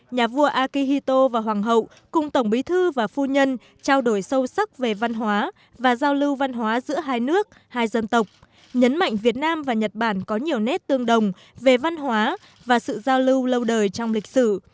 nhà vua akihito và hoàng hậu cùng tổng bí thư và phu nhân trao đổi sâu sắc về văn hóa và giao lưu văn hóa giữa hai nước hai dân tộc nhấn mạnh việt nam và nhật bản có nhiều nét tương đồng về văn hóa và sự giao lưu lâu đời trong lịch sử